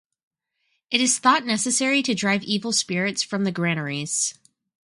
It is thought necessary to drive evil spirits from the granaries.